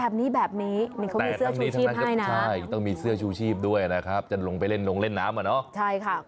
บแบบนี้เขามีเสื้อชูชีพด้วยลงเล่นน้ำ